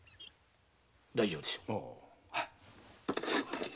大丈夫でしょ？ああ。